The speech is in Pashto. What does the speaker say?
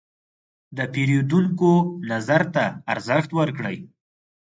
د پیرودونکو نظر ته ارزښت ورکړئ.